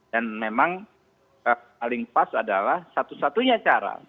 memang paling pas adalah satu satunya cara